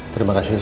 terima kasih sus